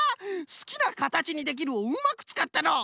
「すきなかたちにできる」をうまくつかったのう！